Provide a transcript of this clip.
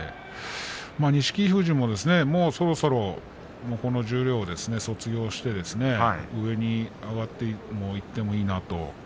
錦富士も、もうそろそろ十両を卒業して上に上がっていってもいいなと。